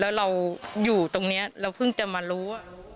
แล้วเราอยู่ตรงนี้เราเพิ่งจะมารู้